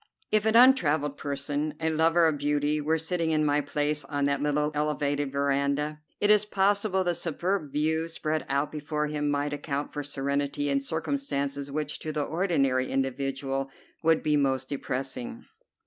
If an untravelled person, a lover of beauty, were sitting in my place on that little elevated veranda, it is possible the superb view spread out before him might account for serenity in circumstances which to the ordinary individual would be most depressing.